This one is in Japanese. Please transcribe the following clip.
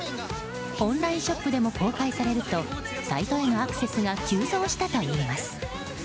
オンラインショップでも公開されるとサイトへのアクセスが急増したといいます。